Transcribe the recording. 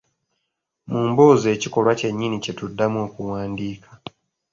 Mu mboozi ekikolwa kye nnyini kye tuddamu okuwandiika